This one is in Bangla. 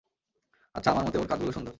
আচ্ছা, আমার মতে ওর কাঁধগুলো সুন্দর।